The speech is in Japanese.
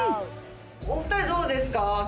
お２人どうですか？